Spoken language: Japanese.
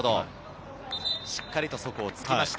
しっかりそこをつきました。